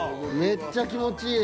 めっちゃ気持ちいい。